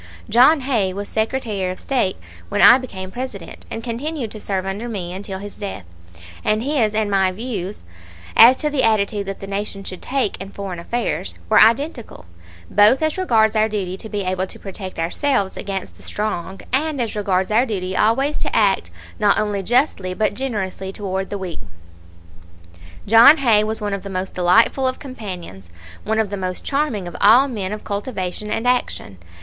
John Hay was Secretary of State when I became President, and continued to serve under me until his death, and his and my views as to the attitude that the Nation should take in foreign affairs were identical, both as regards our duty to be able to protect ourselves against the strong and as regards our duty always to act not only justly but generously toward the weak. John Hay was one of the most delightful of companions, one of the most charming of all men of cultivation and action.